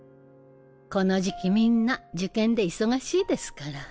この時期みんな受験で忙しいですから。